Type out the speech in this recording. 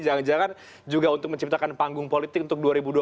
jangan jangan juga untuk menciptakan panggung politik untuk dua ribu dua puluh